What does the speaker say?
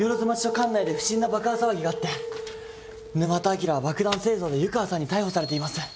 管内で不審な爆破騒ぎがあって沼田あきらは爆弾製造で湯川さんに逮捕されています。